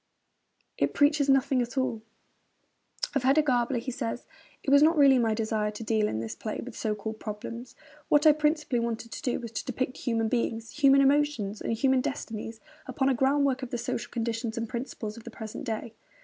It preaches nothing at all.' Of Hedda Gabler he says: 'It was not really my desire to deal in this play with so called problems. What I principally wanted to do was to depict human beings, human emotions, and human destinies, upon a groundwork of the social conditions and principles of the present day.'